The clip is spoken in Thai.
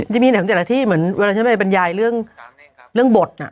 มันจะมีเนื้อของแต่ละที่เหมือนเวลาฉันได้บรรยายเรื่องเรื่องบทอ่ะ